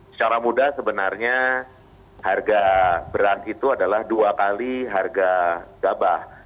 secara mudah sebenarnya harga beras itu adalah dua kali harga gabah